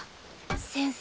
先生。